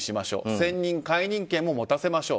選任・解任権も持たせましょう。